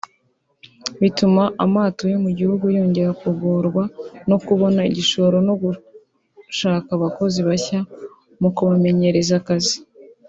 bituma amato yo mu gihugu yongera kugorwa no kubona igishoro mu gushaka abakozi bashya no kubamenyereza akazi